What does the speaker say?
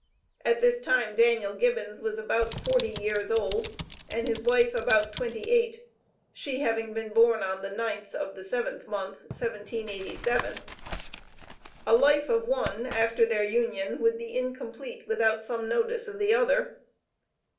At this time Daniel Gibbous was about forty years old, and his wife about twenty eight, she having been born on the ninth of the seventh month, 1787. A life of one after their union, would be incomplete without some notice of the other.